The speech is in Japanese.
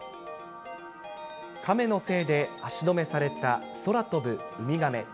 カメのせいで足止めされた空飛ぶウミガメ。